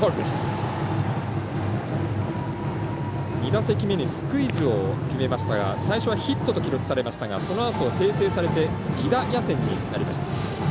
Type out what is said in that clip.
２打席目にスクイズを決めましたが最初はヒットと記録されましたがそのあと、訂正されて犠打になりました。